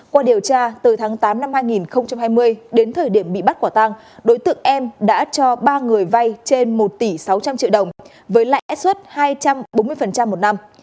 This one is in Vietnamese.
qua điều tra từ tháng tám năm hai nghìn hai mươi đến thời điểm bị bắt quả tăng đối tượng em đã cho ba người vay trên một tỷ sáu trăm linh triệu đồng với lãi suất hai trăm bốn mươi một năm